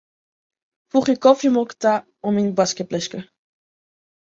Foegje kofjemolke ta oan myn boadskiplistke.